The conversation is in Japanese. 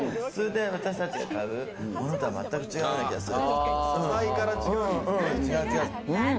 私たちが普段買うものとは全く違うような気がする。